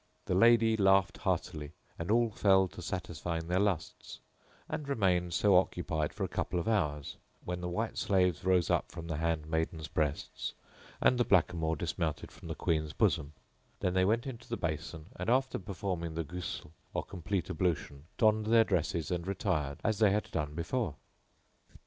"[FN#11] The lady laughed heartily, and all fell to satisfying their lusts, and remained so occupied for a couple of hours, when the white slaves rose up from the handmaidens' breasts and the blackamoor dismounted from the Queen's bosom: then they went into the basin and, after performing the Ghusl, or complete ablution, donned their dresses and retired as they had done before.